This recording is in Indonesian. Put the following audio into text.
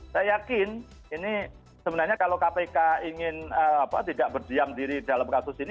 saya yakin ini sebenarnya kalau kpk ingin tidak berdiam diri dalam kasus ini